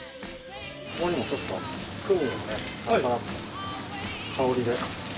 ここにもちょっとクミンをパラパラっと香りで。